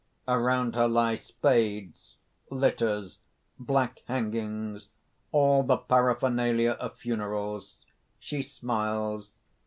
Around her lie spades, litters, black hangings, all the paraphernalia of funerals. She smiles.